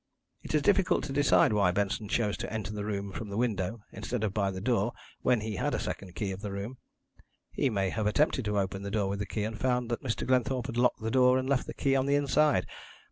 "It is difficult to decide why Benson chose to enter the room from the window instead of by the door when he had a second key of the room. He may have attempted to open the door with the key, and found that Mr. Glenthorpe had locked the door and left the key on the inside.